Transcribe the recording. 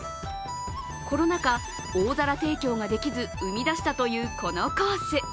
コロナ禍、大皿提供ができず生み出したというこのコース。